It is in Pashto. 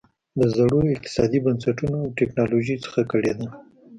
د زړو اقتصادي بنسټونو او ټکنالوژۍ څخه کړېده.